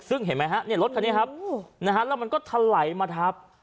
ซึ่งเห็นไหมฮะรถคันนี้ครับนะฮะแล้วมันก็ทะไหลมาทับ